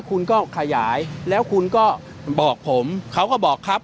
คุณก็ขยายแล้วคุณก็บอกผมเขาก็บอกครับ